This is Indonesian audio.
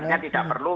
jadi tidak perlu